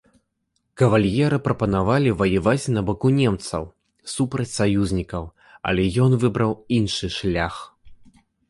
Кавальера прапанавалі ваяваць на баку немцаў супраць саюзнікаў, але ён выбраў іншы шлях.